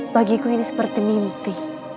bagi ku ini seperti mimpi